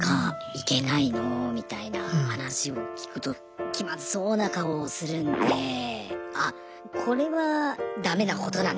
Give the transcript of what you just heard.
行けないの？みたいな話を聞くと気まずそうな顔をするんであっこれはダメなことなんだなっていうふうに。